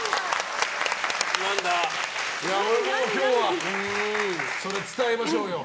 ○。今日はそれ伝えましょうよ。